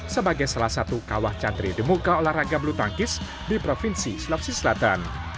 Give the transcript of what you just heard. sebagai salah satu kawah cantri di muka olahraga bulu tangkis di provinsi sulawesi selatan